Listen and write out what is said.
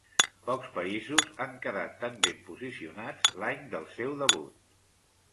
Pocs països han quedat tan ben posicionats l'any del seu debut.